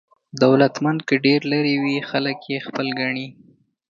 دولتمند که ډېر لرې وي خلک یې خپل ګڼي.